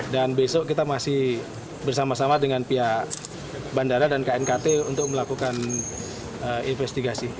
dan besok kita masih bersama sama dengan pihak bandara dan knkt untuk melakukan investigasi